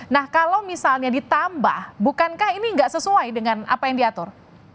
nah kalau misalnya ditambah bukankah ini nggak sesuai dengan apa yang diatur